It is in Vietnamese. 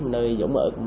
nơi dũng ở